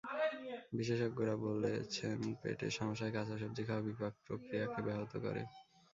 বিশেষজ্ঞরা বলছেন, পেটের সমস্যায় কাঁচা সবজি খাওয়া বিপাক প্রক্রিয়াকে ব্যাহত করে।